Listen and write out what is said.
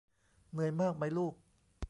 เหนื่อยมากไหมลูก